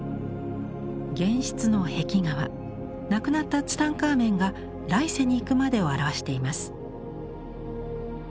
玄室の壁画は亡くなったツタンカーメンが来世に行くまでを表しています。